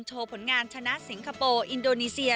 ผลงานชนะสิงคโปร์อินโดนีเซีย